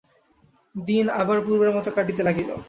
দিন আবার পূর্বের মতো কাটিতে লাগিল।